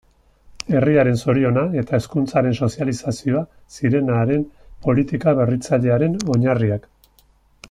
Herriaren zoriona eta hezkuntzaren sozializazioa ziren haren politika berritzailearen oinarriak.